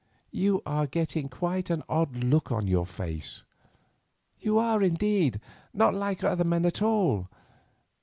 You are getting quite an odd look on your face; you are indeed, not like other men at all.